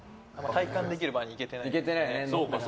体感できる場に行けてないですね。